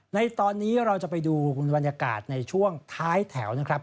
ในตอนนี้เราจะไปดูบรรยากาศในช่วงท้ายแถวนะครับ